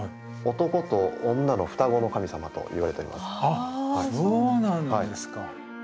あっそうなんですか。